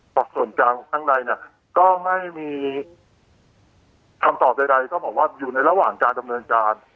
ส่วนกลางข้างในเนี่ยก็ไม่มีคำตอบใดต้องบอกว่าอยู่ในระหว่างการดำเนินการ